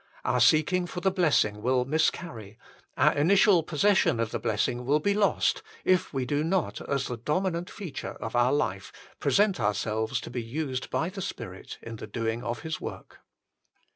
Our seeking for the blessing will miscarry, our initial possession of the blessing will be lost, if we do not as the dominant feature of our life present ourselves to be used by the Spirit in the doing of His work.